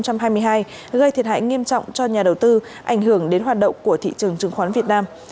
gây thiệt hại nghiêm trọng cho nhà đầu tư ảnh hưởng đến hoạt động của thị trường chứng khoán việt nam